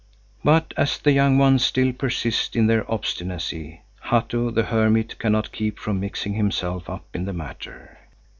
But as the young ones still persist in their obstinacy, Hatto the hermit cannot keep from mixing himself up in the matter.